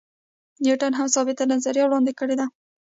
نیوټن هم ثابته نظریه وړاندې کړې ده.